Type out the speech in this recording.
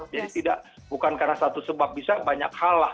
jadi tidak bukan karena satu sebab bisa banyak hal lah